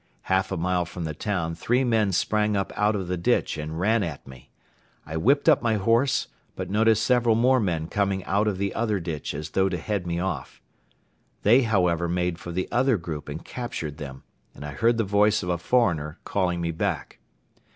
Half a mile from the town three men sprang up out of the ditch and ran at me. I whipped up my horse but noticed several more men coming out of the other ditch as though to head me off. They, however, made for the other group and captured them and I heard the voice of a foreigner calling me back.